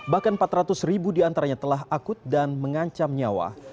bahkan empat ratus ribu diantaranya telah akut dan mengancam nyawa